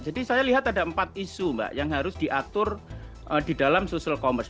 jadi saya lihat ada empat isu mbak yang harus diatur di dalam social commerce